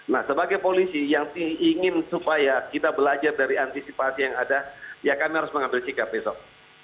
nah sebagai polisi yang ingin supaya kita belajar dari antisipasi yang ada ya kami harus mengambil sikap besok